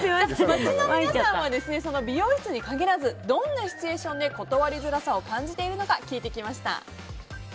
街の皆さんは美容室に限らずどんなシチュエーションで断りづらさを感じているか聞いてきました。